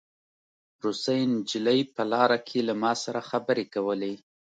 روسۍ نجلۍ په لاره کې له ما سره خبرې کولې